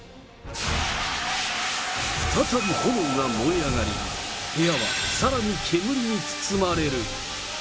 再び炎が燃え上がり、部屋はさらに煙に包まれる。